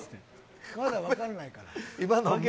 まだ分からないから。